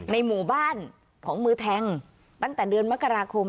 ในหมู่บ้านของมือแทงตั้งแต่เดือนมกราคม